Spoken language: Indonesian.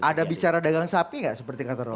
ada bicara dagang sapi gak seperti kata rocky